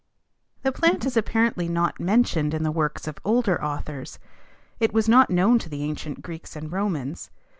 This plant is apparently not mentioned in the works of older authors. It was not known to the ancient Greeks and Romans.